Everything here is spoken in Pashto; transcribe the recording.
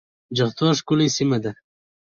جغتو ښکلې سيمه ده